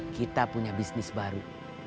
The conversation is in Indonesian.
kita punya bisnis baru